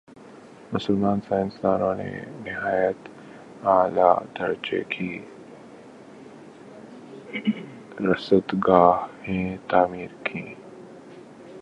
مسلمان سائنسدانوں نے نہایت عالیٰ درجہ کی رصدگاہیں تعمیر کیں